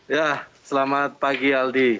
ya selamat pagi aldi